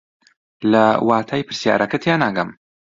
لە واتای پرسیارەکە تێناگەم.